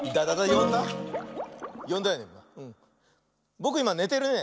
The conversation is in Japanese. ぼくいまねてるね。